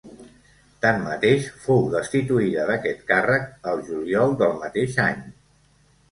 Tanmateix, fou destituïda d'aquest càrrec el juliol del mateix any.